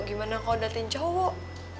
gimana kalau diliatin cowok